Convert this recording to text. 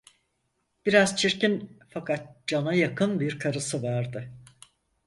Biraz çirkin, fakat cana yakın bir karısı vardı.